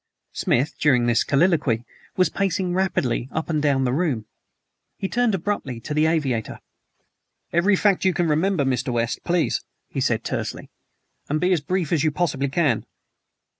Smith during this colloquy was pacing rapidly up and down the room. He turned abruptly to the aviator. "Every fact you can remember, Mr. West, please," he said tersely; "and be as brief as you possibly can."